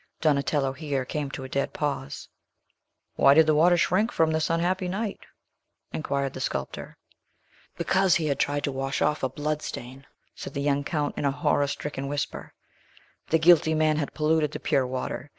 Donatello here came to a dead pause. "Why did the water shrink from this unhappy knight?" inquired the sculptor. "Because he had tried to wash off a bloodstain!" said the young Count, in a horror stricken whisper. "The guilty man had polluted the pure water.